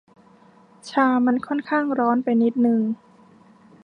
ชามันค่อนข้างร้อนไปนิดนึง